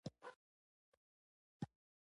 ژبه د سوال او ځواب ژوره معنی لري